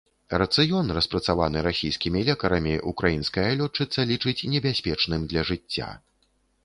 Рацыён, распрацаваны расійскімі лекарамі, украінская лётчыца лічыць небяспечным для жыцця.